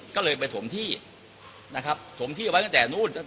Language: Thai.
ก็เลยไปถมที่นะครับถมที่เอาไว้ตั้งแต่นู้น